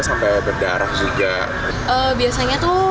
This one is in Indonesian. sampai berdarah juga biasanya tuh